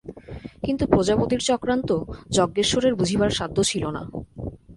কিন্তু প্রজাপতির চক্রান্ত যজ্ঞেশ্বরের বুঝিবার সাধ্য ছিল না।